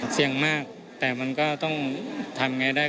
เสี่ยงมากแต่มันก็ต้องทำไงได้